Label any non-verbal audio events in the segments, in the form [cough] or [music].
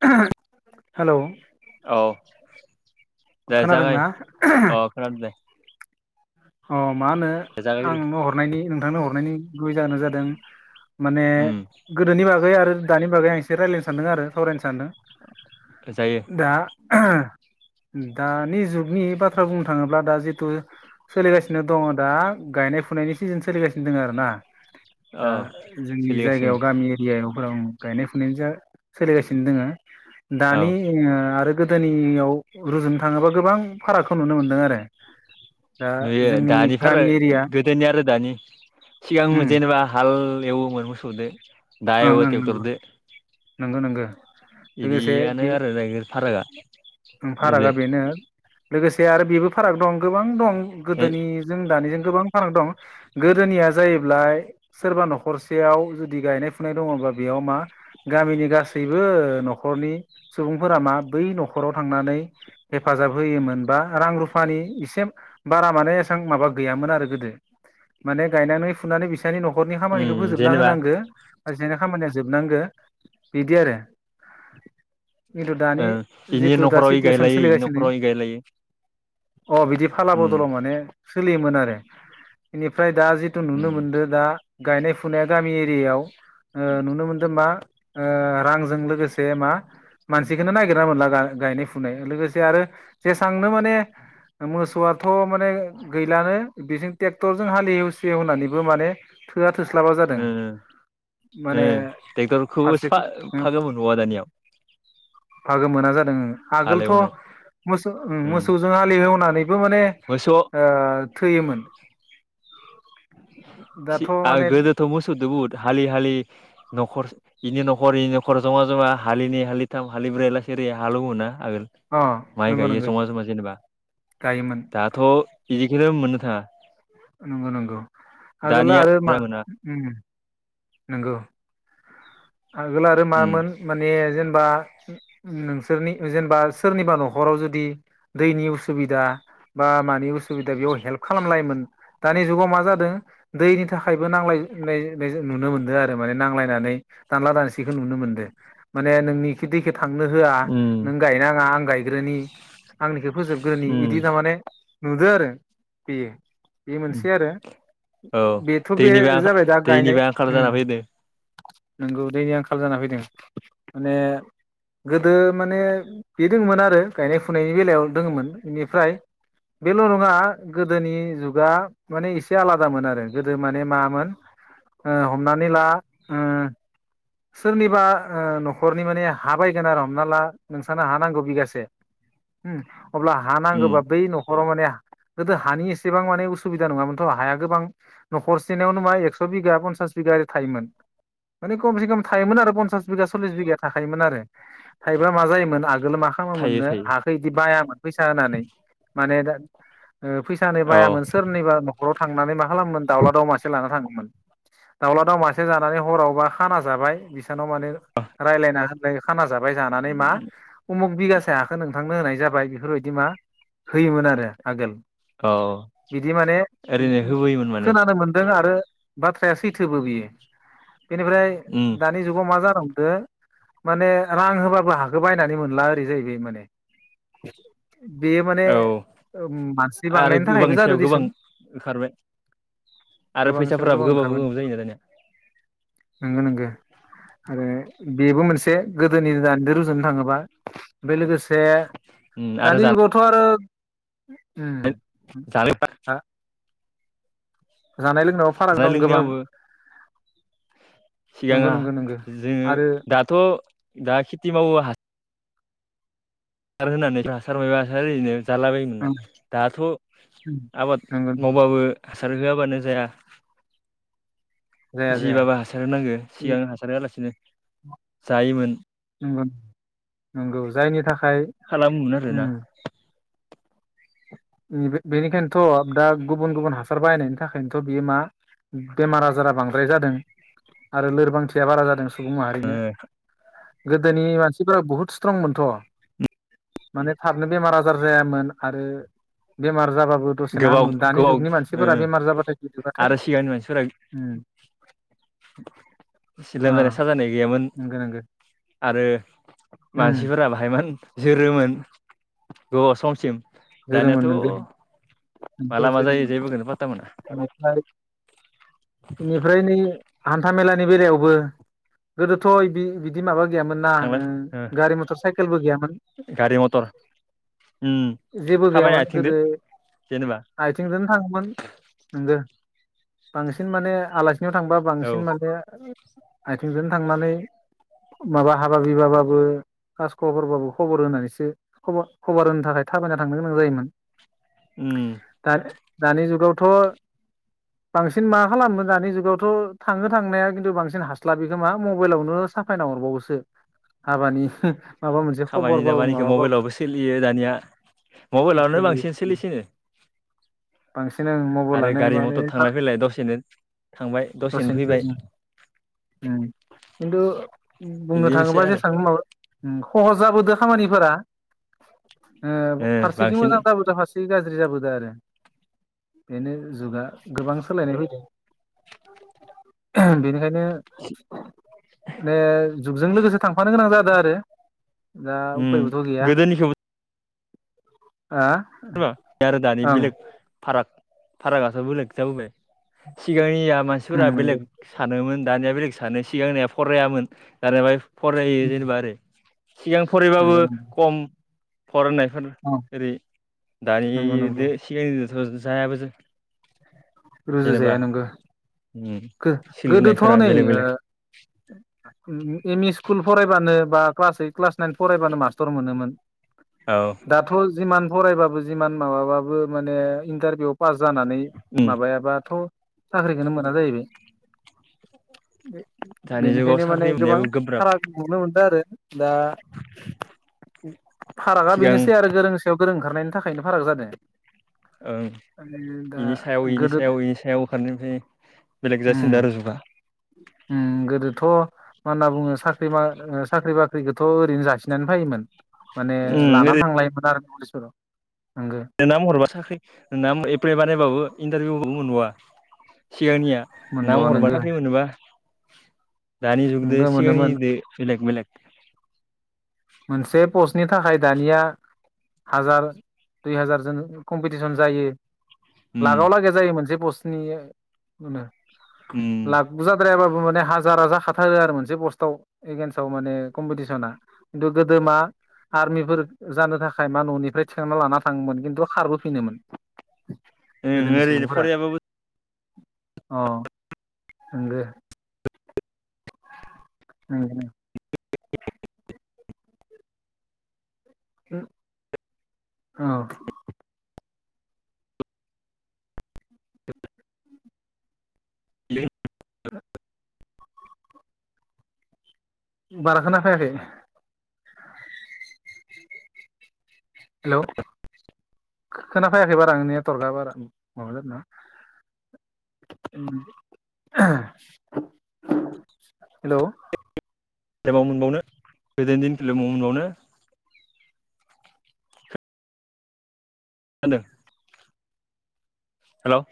[unintelligible] Hello औ दे जागाय खोनादोंना? अ खोनादों दे अ मा होनो दे आं जागायग्रो नोंनो हरनायनि नोंथांनो हरनायनि गुबै जाहोना जादों माने उम गोदोनि बागै आरो दानि बागै आं एसे रायलायनो सानदों आरो सावरायनो सानदों। जायो दा [unintelligible] दानि जुगनि बाथ्रा बुंनो थाङोब्ला दा जितु सोलिगासिनो दङ दा गायनाय फुनायनि सिजोन सोलिगासिनो दङ आरोना। औ दा जोंनि सोलिगासिनो जायगायाव गामि दियाइ अ फोराव ओम गायनाय फुनायनि जा सोलिगासिनो दोङो दानि औ ओ आरो गोदोनियाव रुजुनो थाङोबा गोबां फारागखौ नुनो मोनदों आरो। दा नुयो जोंनि दानिफारो गामि एरिया गोदोनि आरो दानि सिगां उम जेनेबा हाल एवोमोन मोसौदो दा ओं एवो ओं नंगौ ट्रेक्टरदो नोंगो नोंगो। लोगोसे इदियानो बे आरो दायो फारागा बे फारागा बेनो लोगोसे आरो बेबो फाराग दं गोबां दं ए गोदोनि जों दानिजों गोबां फाराग दं। गोदोनिया जायोब्ला सोरबा न'खरसेयाव जुदि गायनाय फुनाय दङबा बेयाव मा गामिनि गासैबो न'खरनि सुबुंफोरा मा बै न'खराव थांनानै हेफाजाब होयोमोन बा रां रुफानि इसे बारा माने एसां माबा गैयामोन आरो गोदो माने गायनानै फुनानै बिस सानि न'खरनि खामानिखौ उम फोजोबना जेनेबा होनांगो ओइसानिया खामानिया जोबनांगो बिदि आरो। खिन्थु ओ दानि इनि जिथु दा न'खराव इ सिटिवेसन गायलायो इनि सोलिगासिनो न'खराव इ गायलायो अ बिदि फाला उम ब'दलाव माने सोलियोमोन आरो बेनिफ्राय दा जिथु उम नुनो मोनदो दा गायनाय फुनाया गामि एरियायाव ओ नुनो मोन दो मा ओ रांजों लोगोसे मा मानसिखोनो नागिरना मोनला दा गायनाय फुनाय लोगोसे आरो जेसांनो माने मोसौआथ' माने गैलानो बिजों टेक्टरजों हाल एवसि एवनानैबो माने थोआ थोस्लाबा जादों। ओ ओ माने टेक्टरखौ फारसेथिं फा-फागोमोनबाआ दानियाव। भागो मोना जादों ओं। आगोलथ' हालेवनो मोसौ उम मोसौजों हालि एवनानैबो माने मोसौ ओ थोयोमोन। खि आ गोदोथ' मोसौदो बुहुद हालि हालि न'खर इनि न'खर इनि न'खर जमा जमा हलिनै हालिथाम हालिब्रै लाखि ओरै हालेवोना आगोल। अ माइ नंगौ गायो नंगौ जमा जमा जेनेबा गायोमोन दाथ' बिदिखोनो मोननो थाङा। नंगौ नंगौ हागोनना दानिया आरो मा मोना ओम नंगौ आगोल आरो उम मामोन माने जेनेबा नोंसोरनि जेनेबा सोरनिबा न'खराव जुदि दैनि उसुबिदा बा मानि उसुबिदा बेयाव हेल्प खालामलायोमोन। दानि जुगाव मा जादो दैनि थाखायबो नांलाय नाय नाय जा नुनो मोनदो आरो माने नांलायनानै दानला दानसिखो नुनो मोनदो माने नोंनि खेथिखो थांनो होआ उम नों गायनाङा आं गायग्रोनि आंनिखौ फोजोबग्रोनि इदि उम तारमाने नुदो आरो बेयो बे मोनसे आरो औ बेथ' बे दैनिबो आंखाल जाबाय दा गायनाय दैनिबो आंखाल ओम जाना फैदो नोंगौ दैनि आंखाल जाना फैदों। माने गोदो माने बे दोंमोन आरो गायनाय फुनायनि बेलायाव दोङोमोन बेनिफ्राय बेल'नङा गोदोनि जुगा माने एसे आलादामोन आरो गोदो माने मामोन ओ हमनानै ला ओम सोरनिबा ओ न'खरनि माने हा बायगोन आरो हमना ला नोंसानो हा नांगौ बिगासे ओम अब्ला उम हानांगोबा बै न'ख खराव माने गोदो हानि एसेबां माने उसुबिदा नङामोनथ' हाया गोबां न'खरसेनावनो मा एकस' बिगा पन्स पन्सास बिगा ओरै थोयोमोन। माने खमसे खम थायोमोन आरो पन्सास बिगा सल्लिस बिगाया थाखायोमोन आरो। थाइबा मा जायोमोन आगोलो मा थायो खामोमोननो थायो हा ऐदि बायामोन फैसा होनानै माने दा ओ फैसाानि औ बायामोन सोरनिबा न न'खराव थांनानै मा खालामोमोन दाउला दाउ मासे लाना थाङोमोन। दाउला दाउ मासे जानानै हरावबा खाना जाबाय बिसानाव माने रायलायना खाना जाबाय जानानै मा उमुख बिगासे हाखौ नोंथांनो होनाय जाबाय बेफोरबायदि मा होयोमोन आरो आगोल। औ बिदि माने ओरैनो होबोयोमोन माने खोनानो मोनदों आरो बाथ्राया सैथोबो बियो बेनिफ्राय उम दा दानि जुगाव मा जानो हमदो माने रां होबाबो हाखो बायनानै मोनला ओरै जाहैबाय माने। बेयो माने औ मानसि आरो बांनायनि गोबांनि थाखायबो जादो सायाव गोबां दैसुंन। ओंखारबाय आरो गोबांनि फैसा गोबां ओंखारगोन नंगो नंगो। आरो बेबो मोनसे गोदोनि दानिदो रुजुनो थाङोबा बे लोगोस से उम आरो दानि जुगावथ' आरो ओम [unintelligible] जानाय लोंनायाव फाराग जानाय दं गोबां। लोंनायावबो नंगौ सिगाङा नंगौ नंगौ जोङो आरो दाथ' दा खेथि मावो हा हासार होनानै हासार मायबा हासार होनानै जालाबायोमोनना दाथ' आबाद नंगौ मावबाबो हासार होआबानो जाया। जाया जाया जिबाबो हासार होनांगो सिगां हासार होआलासिनो जायोमोन। नंगौ नंगौ जायनि थाखाय खालामोमोन आरो ना। [unintelligible] बेनिखायनोथ' दा गुबुन गुबुन हासार बायनायनि थाखायनोथ' बियो मा बेमार आजारा बांद्राय जादों आरो लोरबांथिया बारा जादों। सुबुं माहारिनो गोदोनि मानसिफ्रा बहुद सिथ्रंमोनथ'। माने थाबनो बेमार आजार जायामोन आरो बेमार जाबाबो दसेनो गोबाव हामोमोन। दानि गोबाव जुगनि ओ मानसिफोरा बेमार जाबाथाय आरो सिगांनि [unintelligible] बिसि लोमजानाय अ साजानाय गैयामोन। नंगौ नंगौ आरो उम मानसिफोरा बाहायमोन जोरोमोन गोबाव समसिम। जोरोमोन दानियाथ' नंगो नोंगो माला मा जायो जोरोमोन जेबोखौनो पात्ता मोना [unintelligible] बेनिफ्राय निय हान्था मेलानि बेलायावबो गोदोथ' इदि बिदि माबा गैयामोन ना थांलाय ओ गारि मथर साइकेलबो गैयामोन। गारि मटर ओम। जेबो गैयामोन। गोदो जेनेबा आथिंजोंनो थाङोमोन। नोंगो बांसिन माने आला सिनियाव थांबा औ बांसिन माने आथिंजों थांनानै माबा हाबा बिबाबाबो खास खबरबाबो खबर होनानैसो खबर होनो थाखाय थाबायना थांनो गोनां जायोमोन। उम। दानि दानि जुगावथ' बांसिन मा खालामो दानि जुगावथ' थाङो थांनाया खिन्थु बांसिन हास्लाब खोमा मबाइलावनो साफायना हरबावोसो हाबानि माबा मोनसे खामानि खबरबाबो दामानिखौ माबाबाबो। मबाइलावबो सोलियो दानिया मबाइलावनो बांसिन सोलियो सोलिसिनो। बांसिन आं आरो मबाइलानो माने गारि-मथर थांलाय फैलाय दसेनो थांबाय दसेनो फैबाय। खिन्थु बुंनो बिदिनोसै थाङोबा आरो जेसां माबा सहस जाबोदो खामानिफोरा ओ फारसेथिं बांसिन मोजां जाबोदो फारसे एसे गाज्रि जाबोदों आरो। बेनो जुगा गोबां सोलायनाय फैदों। बेनिखायनो ओ जुगजों लोगोसे थांफानो गोनां जादों आरो। दा उम उफायबोथ' गैया। गोदोनिखौबो ओ? बे आरो दानि बेलेग फाराग फारागाथ' बेलेग जाबोबाय। सिगांनिया ओं मानसिफोरा नंगौ बेलेग सानोमोन दानिया बेलेग सानो, सिगांनिया फरायामोन दानिया फरायो जेनेबा आरो सिगां नंगौ फरायबाबो नंगौ खम, फरायनायफोर‌ ओं इदि नंगौ नंगौ दानिदो सिगांनिदोथ' जायाबो जेनेबा रुजुजाया नोंगो। उम गोदोथ' सोलिनायफोरा नै बेलेग बेलेग एमइ स्कुल फरायबानो, बा क्लास ओइट, क्लास नाइन फरायबानो मास्टर मोनोमोन। औ। दाथ' जिमान फरायबाबो जिमान माबाबाबो माने इन्टारभिउ पास जानानै उम माबायाबाथ' साख्रिखौनो मोना जाहैबाय। दानि जुगाव बेनिखायनो साख्रि माने गोबां मोननायाबो गोब्राब फाराग नुनो मोनदों आरो। दा फारागा सिगां बेनोसै आरो गोरों गोरों ओंखारनायनि थाखायनो फाराग जादों। ओं, दा बेनि सायाव बेनि गोदो सायाव बेनि सायाव खारनायनि ओफ्राय बेलेग जासिनदों आरो जुुगा उ गोदोथ' मा होनना बुङो साख्रि बाख्रिखौथ' ओरैनो जासिनानै फायोमोन। माने उम लानानै ओरैनो थांलायोमोन आरो पुलिसफोरा नंगो। नोंना महरबा साख्रि नोंना एप्लाइ बानायबाबो इन्टारभिउआवबो मोनबावा सिगांनिया ना मोनबावा नोंगो मबावबा मोनोबा दानि जुगदो नोंगो मोनोमोन सिगांनिदो बेलेग-बेलेग मोनसे पस्टनि थाखाय दानिया हाजार, दुइ हाजार जोन कम्पिटिसन जायो। उम लागाव लागै जायो मोनसे बस्तनि होनो। उम। बुजाद्रायाबाबो माने हाजार हाजार खााथारो आरो मोनसे पस्टआव एगेन्स्टआव माने कम्पिटिसना। खिन्थु गोदो मा आर्मिफोर जानो थाखाय मा न'निफ्राय थिखांना लाना थाङोमोन खिन्थु खारबोफिनोमोन। ओं गोदोनि ओरैनो सुबुंफोरा। फरायाबाबो अ। नोंगो। ओ ओ। औ। [inaudible] [unintelligible] [inaudible] बारा खोना फायाखै। हेलौ, खोनाफायाखै बारा नेतवर्क बारा प्रब्लेम ना। हेल'। मोनबावनो गोदोनि दिन फिलेमाव मोनबावनो। होनदों हेल'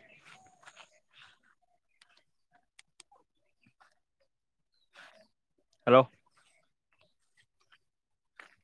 हेल'